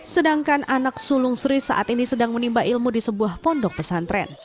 sedangkan anak sulung sri saat ini sedang menimba ilmu di sebuah pondok pesantren